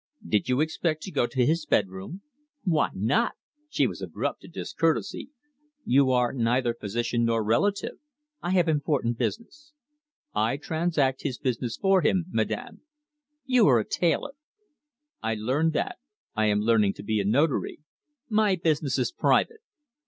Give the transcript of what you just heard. "Did you expect to go to his bedroom?" "Why not?" She was abrupt to discourtesy. "You are neither physician, nor relative." "I have important business." "I transact his business for him, Madame." "You are a tailor." "I learned that; I am learning to be a notary." "My business is private."